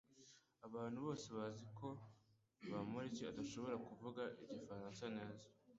Abantu bose bazi ko Bamoriki adashobora kuvuga igifaransa neza